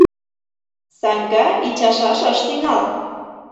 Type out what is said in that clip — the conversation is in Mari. Санька ӱчашаш ыш тӱҥал.